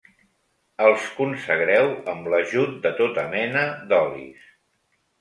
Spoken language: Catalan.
Els consagreu amb l'ajut de tota mena d'olis.